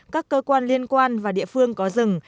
các cơ quan liên quan và địa phương có rừng